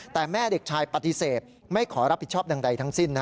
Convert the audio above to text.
แต่แม่เด็กชายปฏิเสธไม่ขอรับผิดชอบใดทั้งสิ้น